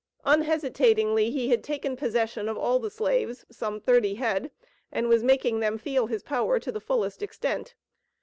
Unhesitatingly he had taken possession of all the slaves (some thirty head), and was making them feel his power to the fullest extent.